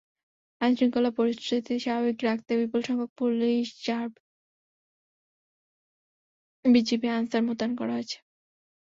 আইনশৃঙ্খলা পরিস্থিতি স্বাভাবিক রাখতে বিপুলসংখ্যক পুলিশ, র্যাব, বিজিবি, আনসার মোতায়েন করা হয়েছে।